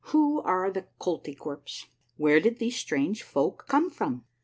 Who are the Koltykwerps ? Where did these strange folk come from?